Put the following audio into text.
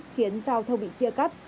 khiến giao thông bị chia cắt